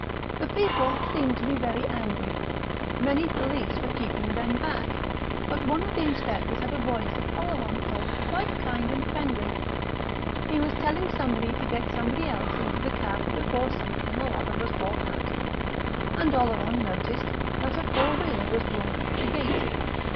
The people seemed to be very angry; many police were keeping them back; but one of the inspectors had a voice that Oleron thought quite kind and friendly. He was telling somebody to get somebody else into the cab before something or other was brought out; and Oleron noticed that a four wheeler was drawn up at the gate.